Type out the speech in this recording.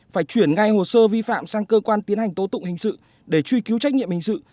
phải chuyển ngay hồ sơ vi phạm sang cơ quan tiến hành tố tụng hình sự để truy cứu trách nhiệm hình sự